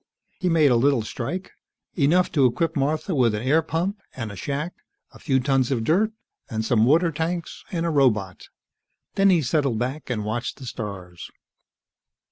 He made a little strike, enough to equip Martha with an air pump and a shack, a few tons of dirt and some water tanks, and a robot. Then he settled back and watched the stars.